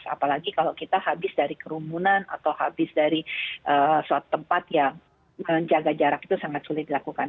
apalagi kalau kita habis dari kerumunan atau habis dari suatu tempat yang menjaga jarak itu sangat sulit dilakukan